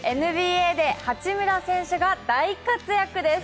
ＮＢＡで八村選手が大活躍です。